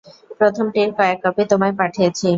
প্রথমটির কয়েক কপি তোমায় পাঠয়েছি।